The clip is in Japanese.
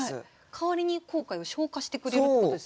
代わりに後悔を昇華してくれるってことですよね。